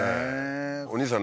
お兄さん